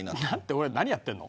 俺、何やってんの。